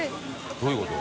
どういうこと？